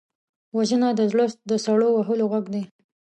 وژنه د زړه د سړو وهلو غږ دی